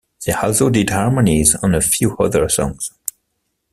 They also did harmonies on a few other songs.